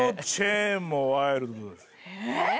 えっ？